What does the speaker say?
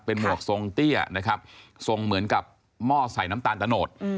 หมวกทรงเตี้ยนะครับทรงเหมือนกับหม้อใส่น้ำตาลตะโนด